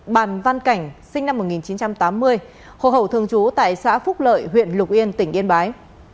bàn văn cảnh sinh năm một nghìn chín trăm tám mươi hồ hậu thường trú tại xã phúc lợi huyện lục yên tỉnh yên bái